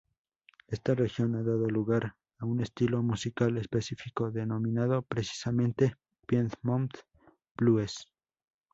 Esta región ha dado lugar a un estilo musical específico, denominado precisamente Piedmont blues.